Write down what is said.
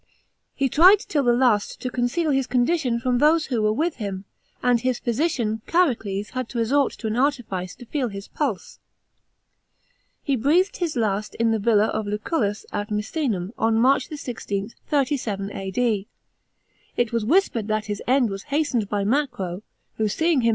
He tried till the last to conceal his condition from those who were with him, and his physician Chariules had to resort to an artifice to feel h's pulse. He breathed, his last in the viila of Lncullus at Misenum, on March 16, 37 A.D. It was whisper* d that his end w^s hastened by Macro, who, seeing him bud.